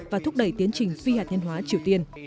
và thúc đẩy tiến trình phi hạt nhân hóa triều tiên